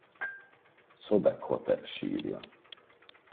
Szobekhotep sírja.